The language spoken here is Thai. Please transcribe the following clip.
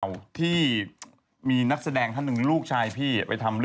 เอาที่มีนักแสดงท่านหนึ่งลูกชายพี่ไปทำ